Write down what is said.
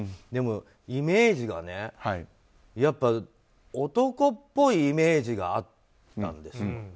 でも、イメージがやっぱ男っぽいイメージがあったんですよ。